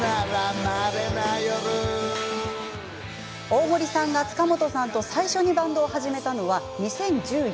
大森さんが塚本さんと最初にバンドを始めたのは２０１４年。